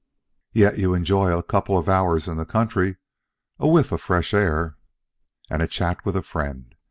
"Yet you enjoy a couple of hours in the country, a whiff of fresh air " "And a chat with a friend.